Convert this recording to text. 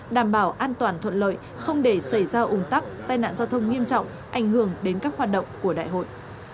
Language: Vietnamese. đảm bảo an toàn thuận lợi không để xảy ra ủng tắc tai nạn giao thông nghiêm trọng ảnh hưởng đến các hoạt động của đại hội